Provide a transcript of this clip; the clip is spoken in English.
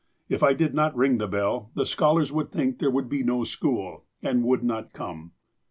If I did not ring the bell, the scholars would think there would be no school, and would not come."